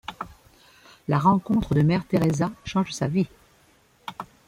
La rencontre de Mère Teresa change sa vie.